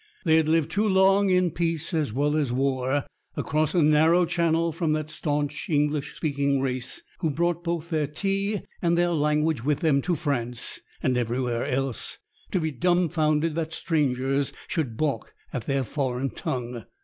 They had lived too long, in peace as well as war, across a narrow channel from that stanch English speaking race who brought both their tea and their language with them to France and everywhere else, to be dumfounded that strangers should balk at their foreign tongue.